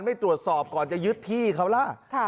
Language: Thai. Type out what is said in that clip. ไม่ตรวจสอบก่อนจะยึดที่เขาล่ะ